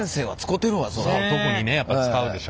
特にねやっぱり使うでしょ。